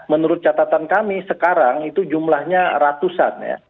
yang menurut catatan kami sekarang itu jumlahnya ratusan